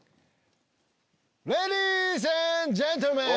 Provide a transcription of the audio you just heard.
レディースアンドジェントルメン！